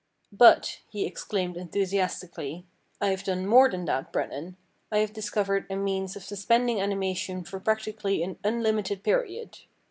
' But,' he exclaimed enthusiastically, ' I have done more than that, Brennan. I have discovered a means of suspending animation for practically an unlimited period.